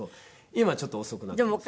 今ちょっと遅くなってます。